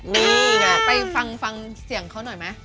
นี่ไงไปฟังเสียงเขาหน่อยไหม